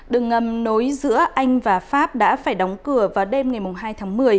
đường ngầm nối giữa anh và pháp đã phải đóng cửa vào đêm ngày hai tháng một mươi